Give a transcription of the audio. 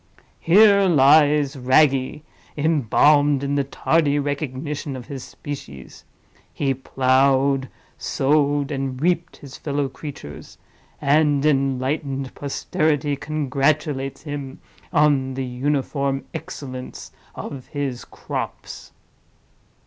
Here lies Wragge, embalmed in the tardy recognition of his species: he plowed, sowed, and reaped his fellow creatures; and enlightened posterity congratulates him on the uniform excellence of his crops."